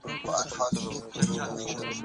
ورورولي ټینګه کړئ.